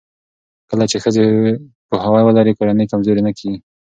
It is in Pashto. کله چې ښځې پوهاوی ولري، کورنۍ کمزورې نه کېږي.